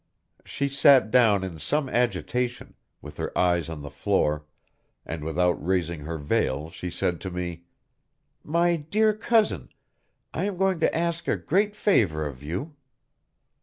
She sat down in some agitation, with her eyes on the floor, and without raising her veil she said to me: "My dear cousin, I am going to ask a great favor of you."